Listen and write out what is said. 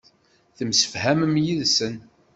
Temsefhamem yid-sen.